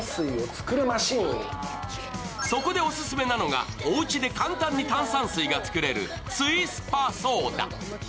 そこでお勧めなのがおうちで簡単に炭酸水が作れるツイスターソーダ。